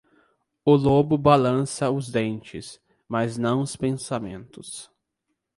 O lobo balança os dentes, mas não os pensamentos.